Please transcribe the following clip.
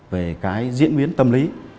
về cái diễn biến tâm lý